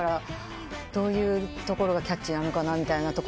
どういうところがキャッチーなのかなみたいな。